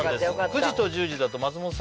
９時と１０時だと松本さん